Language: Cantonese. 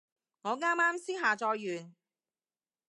我啱啱先下載完